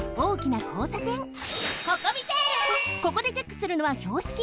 ここでチェックするのはひょうしき！